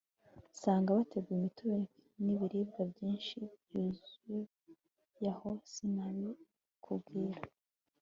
nsanga bateguye imitobenibiribwa byinshi byuzuyaho sinakubwira